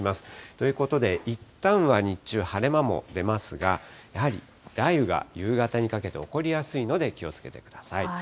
ということで、いったんは日中、晴れ間も出ますが、やはり雷雨が夕方にかけて起こりやすいので気をつけてください。